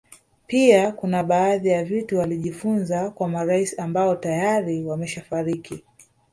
Pia kuna baadhi ya vitu alijifunza kwa marais ambao tayari wameshafariki